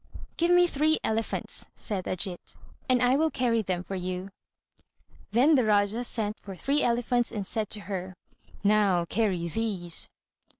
"Give me three elephants," said Ajít, "and I will carry them for you." Then the Rájá sent for three elephants, and said to her, "Now, carry these."